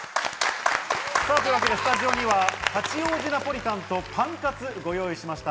スタジオには八王子ナポリタンとパンカツをご用意しました。